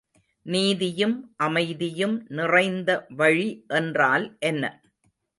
நீதியும் அமைதியும் நிறைந்த வழி என்றால் என்ன?